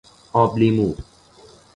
آب لیمو